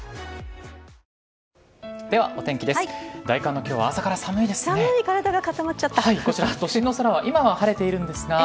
大寒の今日は朝から寒いです。